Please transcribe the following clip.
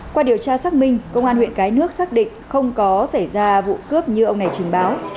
qua điều tra xác minh công an huyện cái nước xác định không có xảy ra vụ cướp như ông này trình báo